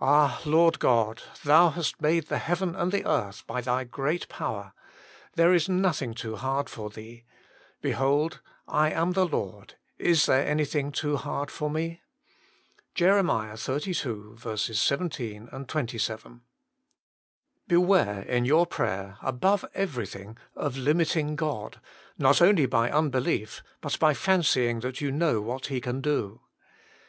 "Ah, Lord God! Thou hast made the heaven and the earth by Thy great power ; there is nothing too hard for Thee. Behold, I am the Lord : is there anything too hard for Me?" JEK xxxii. 17, 27. Beware, in your prayer, above everything, of limiting God, not only by unbelief, but by fancying that you know what He can do.